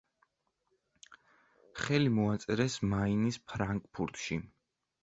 ხელი მოაწერეს მაინის ფრანკფურტში.